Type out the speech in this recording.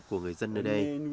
của người dân nơi đây